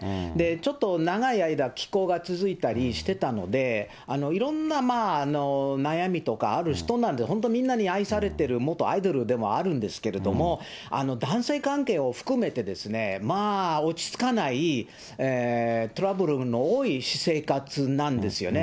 ちょっと長い間、奇行が続いたりしてたので、いろんな悩みとかある人なんで、本当、みんなに愛されてる元アイドルでもあるんですけれども、男性関係を含めてですね、まあ、落ち着かないトラブルの多い私生活なんですよね。